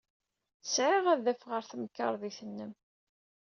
Sɛiɣ adaf ɣer temkarḍit-nnem.